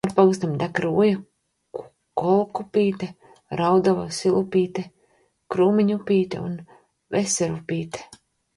Cauri pagastam tek Rūja, Kolkupīte, Raudava, Silupīte, Krūmiņupīte un Veserupīte.